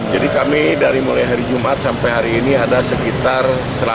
jadi kami dari mulai hari jumat sampai hari ini ada sekitar seratus